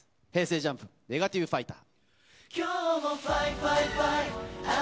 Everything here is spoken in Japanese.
ＪＵＭＰ、ネガティブファイター。